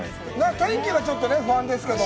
天気がちょっと不安ですけど。